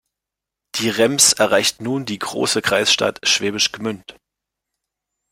Die Rems erreicht nun die Große Kreisstadt Schwäbisch Gmünd.